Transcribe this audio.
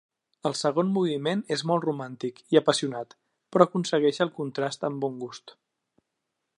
El segon moviment és molt romàntic i apassionat, però aconsegueix el contrast amb bon gust.